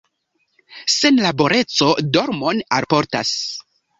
Senlaboreco dormon alportas.